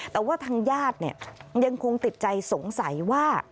แต่ว่าทางญาติยังคงติดใจสงสัยว่า